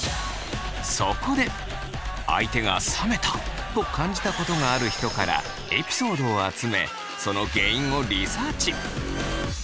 そこで相手が冷めた！と感じたことがある人からエピソードを集めその原因をリサーチ。